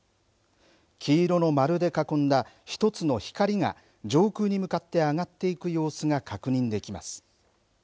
黄色の丸で囲んだ１つの光が上空に向かって上がっていく様子が確認できます。